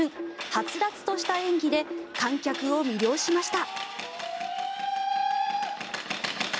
はつらつとした演技で観客を魅了しました。